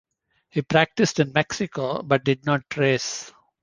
He practiced in Mexico, but did not race.